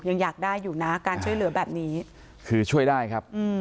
ยังอยากได้อยู่นะการช่วยเหลือแบบนี้คือช่วยได้ครับ